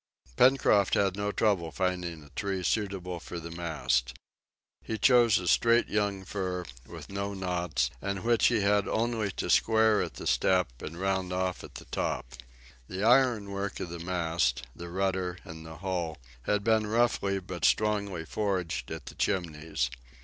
Pencroft had no trouble in finding a tree suitable for the mast. He chose a straight young fir, with no knots, and which he had only to square at the step, and round off at the top. The ironwork of the mast, the rudder and the hull had been roughly but strongly forged at the Chimneys.